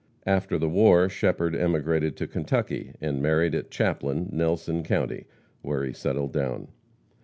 After the war Shepherd emigrated to Kentucky and married at Chaplin, Nelson county, where he settled down.